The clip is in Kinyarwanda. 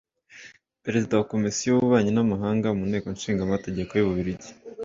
Perezida wa komisiyo y’ububanyi n’amahanga mu Nteko Nshinga Amategeko y’Ububiligi